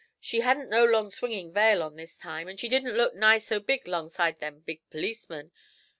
She hadn't no long swingin' veil on this time, and she didn't look nigh so big 'longside them big perlecemen.